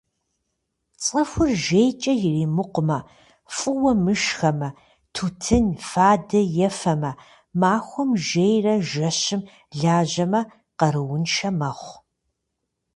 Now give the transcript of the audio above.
Цӏыхур жейкӀэ иримыкъумэ, фӏыуэ мышхэмэ, тутын, фадэ ефэмэ, махуэм жейрэ жэщым лажьэмэ къарууншэ мэхъу.